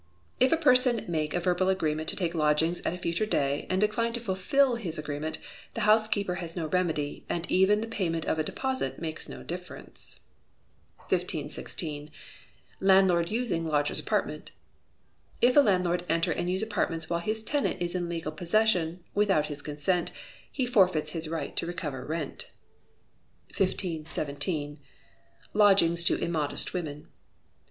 If a person make a verbal agreement to take lodgings at a future day, and decline to fulfil his agreement, the housekeeper has no remedy, and even the payment of a deposit makes no difference. 1516. Landlord using Lodger's Apartments. If a landlord enter and use apartments while his tenant is in legal possession, without his consent, he forfeits his right to recover rent. 1517. Lodgings to Immodest Women.